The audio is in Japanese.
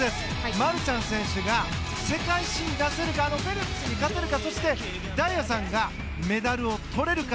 マルシャン選手が世界新を出せるかフェルプスに勝てるかそして大也さんがメダルを取れるか。